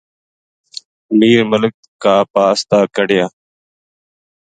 میر ملک کا پا س تا کڈھیا